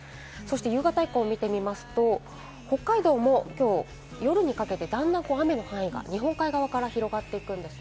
夕方以降を見てみますと、北海道もきょう夜にかけて段々と雨の範囲が日本海側から広がってくるんです。